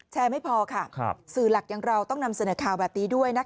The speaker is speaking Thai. ไม่พอค่ะสื่อหลักอย่างเราต้องนำเสนอข่าวแบบนี้ด้วยนะคะ